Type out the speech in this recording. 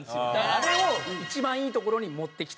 あれを一番いいところに持っていきたい。